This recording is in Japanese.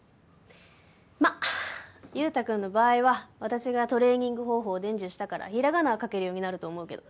まあ優太くんの場合は私がトレーニング方法を伝授したからひらがなは書けるようになると思うけど。